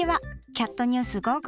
「キャットニュース５５」